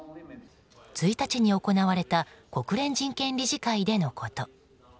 １日に行われた国連人権理事会でのこと。